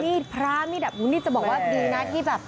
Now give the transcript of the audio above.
มีดพระมีดดับนี่จะบอกว่าดีนะที่แบบ